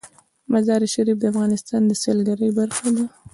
مزارشریف د افغانستان د سیلګرۍ برخه ده.